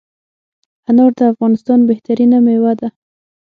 انار دافغانستان بهترینه میوه ده